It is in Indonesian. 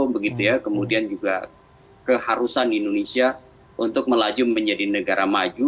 begitu ya kemudian juga keharusan indonesia untuk melaju menjadi negara maju